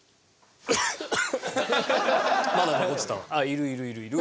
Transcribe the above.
るいるいるいるいるわ！